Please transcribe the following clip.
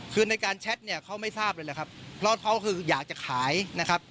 คือในการแชทเขาไม่ทราบเลยเพราะเขาคืออยากจะขายนะครับ